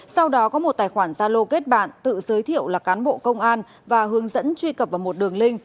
sau đó có một tài khoản gia lô kết bạn tự giới thiệu là cán bộ công an và hướng dẫn truy cập vào một đường link